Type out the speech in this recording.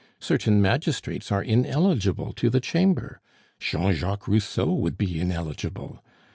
Certain magistrates are ineligible to the Chamber; Jean Jacques Rousseau would be ineligible!